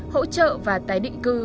hỗ trợ và tái định cư